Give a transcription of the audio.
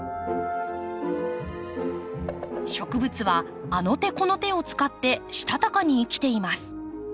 植物はあの手この手を使ってしたたかに生きています。